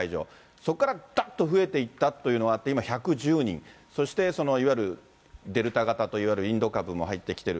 そこからだっと増えていったというのがあって、今１１０人、そしていわゆるデルタ型といわれる、インド株も入ってきている。